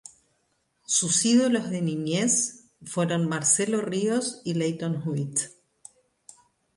Sus ídolos de niñez fueron Marcelo Ríos y Lleyton Hewitt.